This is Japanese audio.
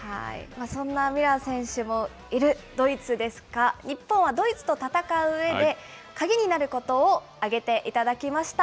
そんなミュラー選手もいるドイツですが、日本はドイツと戦ううえで、鍵になることを挙げていただきました。